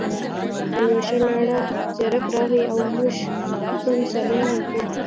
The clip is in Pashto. پلوشه لاړه، زیرک راغی او موږ ځو مثالونه دي.